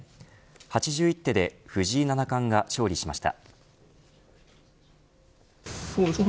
８１手で藤井七冠が勝利しました。